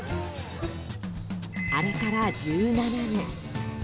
あれから１７年。